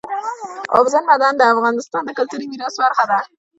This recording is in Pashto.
اوبزین معدنونه د افغانستان د کلتوري میراث برخه ده.